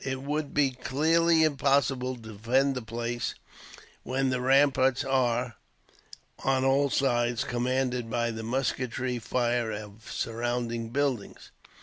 It would be clearly impossible to defend the place when the ramparts are, on all sides, commanded by the musketry fire of surrounding buildings."